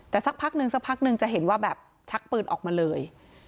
แต่สักพักนึงสักพักนึงจะเห็นว่าแบบชักปืนออกมาเลย